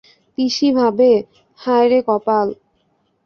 পিসি ভাবে, হায়রে কপাল!